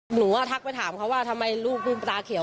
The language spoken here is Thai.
หนูก็ทักไปถามเขาว่าทำไมลูกลืมตาเขียว